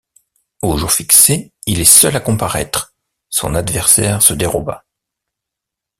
Au jour fixé, il est seul à comparaître, son adversaire se déroba.